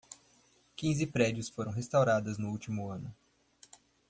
Quinze prédios foram restauradas no último ano